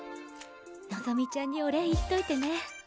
望ちゃんにお礼言っといてね。